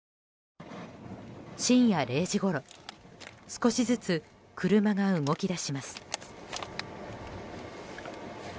深夜０時ごろ少しずつ車が動き出します。